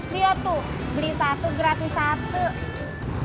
lihat tuh beli satu gratis satu